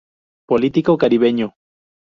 Político Caribeño.